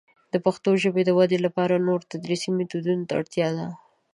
د پښتو ژبې د ودې لپاره نوي تدریسي میتودونه ته اړتیا ده.